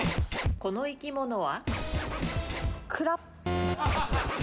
この生き物は？